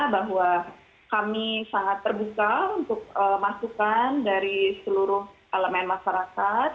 bahwa kami sangat terbuka untuk masukan dari seluruh elemen masyarakat